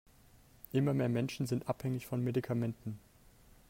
Immer mehr Menschen sind abhängig von Medikamenten.